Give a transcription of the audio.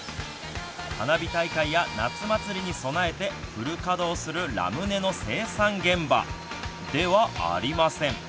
花火大会や夏祭りに備えてフル稼働するラムネの生産現場ではありません。